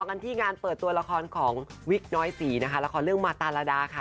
กันที่งานเปิดตัวละครของวิกน้อยศรีนะคะละครเรื่องมาตาราดาค่ะ